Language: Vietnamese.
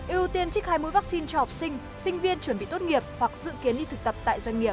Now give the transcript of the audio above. ưu tiên trích hai mũi vaccine cho học sinh sinh viên chuẩn bị tốt nghiệp hoặc dự kiến đi thực tập tại doanh nghiệp